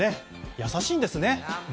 優しいんですね。